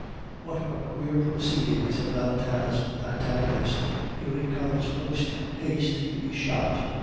"What a queer proceeding!" said Valentin's antagonist; "here he comes post haste to be shot."